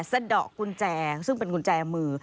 สะดอกกุญแจซึ่งเป็นกุญแจมือ